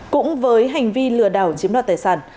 cũng với hành vi lừa đảo chiếm